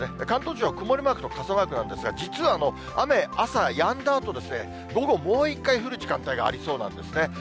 関東地方は曇りマークと傘マークなんですが、実は雨、朝やんだあとですね、午後、もう一回降る時間帯がありそうなんですね。